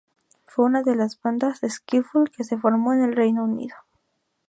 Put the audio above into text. Fue una de las bandas de skiffle que se formó en el Reino Unido.